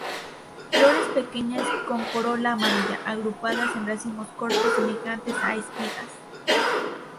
Flores pequeñas con corola amarilla, agrupadas en racimos cortos semejantes a espigas.